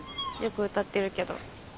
よく歌ってるけど。